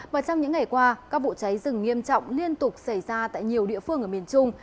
và trong những ngày qua các vụ cháy rừng nghiêm trọng liên tục xảy ra tại nhiều địa phương ở miền trung